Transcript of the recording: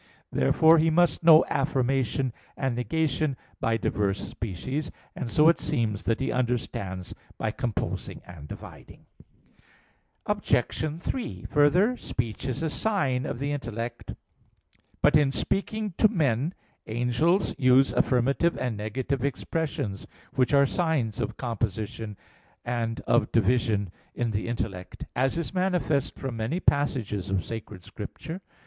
2). Therefore he must know affirmation and negation by diverse species. And so it seems that he understands by composing and dividing. Obj. 3: Further, speech is a sign of the intellect. But in speaking to men, angels use affirmative and negative expressions, which are signs of composition and of division in the intellect; as is manifest from many passages of Sacred Scripture.